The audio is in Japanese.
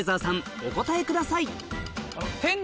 お答えください